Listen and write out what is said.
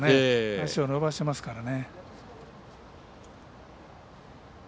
足を伸ばしてますからね。